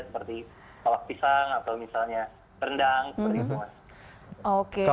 seperti kolak pisang atau misalnya rendang seperti itu mas